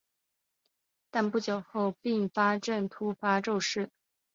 但不久后并发症突发骤逝。